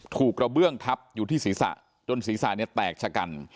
กระเบื้องทับอยู่ที่ศีรษะจนศีรษะเนี่ยแตกชะกัน